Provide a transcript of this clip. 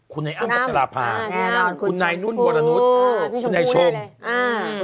คุณไอ้อ้ำกับศรภาษณ์คุณไหนนุ่นบวรณุษย์คุณไอ้ชมแน่นอนคุณชมพูดได้เลย